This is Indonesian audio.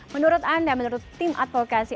menurut anda menurut tim advokasi